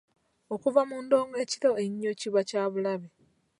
Okuva mu ndongo ekiro ennyo kiba kya bulabe.